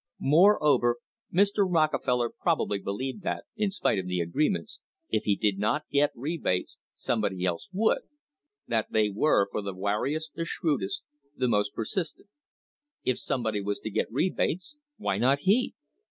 Moreover, Mr. Rockefeller probably believed that, in spite of the agreements, if he did not get rebates somebody else would; that they were for the wari est, the shrewdest, the most persistent. If somebody was to get rebates, why not he?